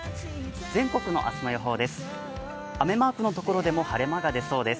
全国の明日の予報です。